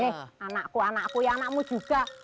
nih anakku anakku ya anakmu juga